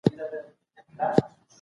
دوی پوښتنه وکړه چې کوم ګوند ښه دی.